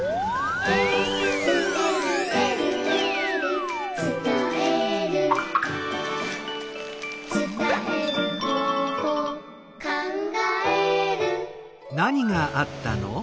「えるえるえるえる」「つたえる」「つたえる方法」「かんがえる」